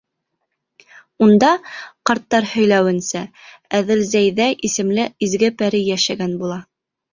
Унда, ҡарттар һөйләүенсә, Әҙелзәйҙә исемле изге пәрей йәшәгән була.